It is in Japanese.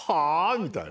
みたいな。